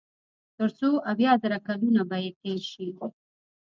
تر څو اويا زره کلونه به ئې تېر شي